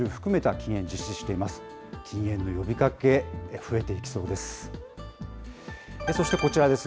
禁煙の呼びかけ、増えていきそうです。